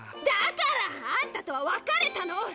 だからあんたとは別れたの！